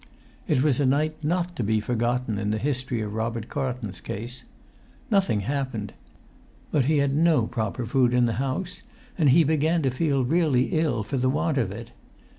It was a night not to be forgotten in the history of Robert Carlton's case. Nothing happened. But he had no proper food in the house, and he began to feel really ill for the want of it.